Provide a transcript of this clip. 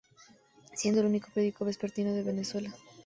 Siendo el único periódico vespertino de Venezuela.